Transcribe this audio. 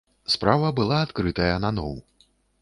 Справа была адкрытая наноў.